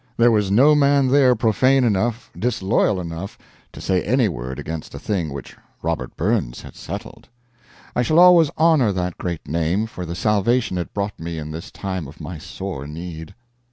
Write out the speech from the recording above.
There was no man there profane enough, disloyal enough, to say any word against a thing which Robert Burns had settled. I shall always honor that great name for the salvation it brought me in this time of my sore need.